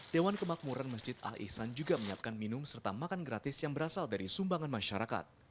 dewan kemakmuran masjid al ihsan juga menyiapkan minum serta makan gratis yang berasal dari sumbangan masyarakat